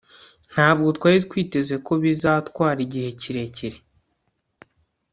ntabwo twari twiteze ko bizatwara igihe kirekire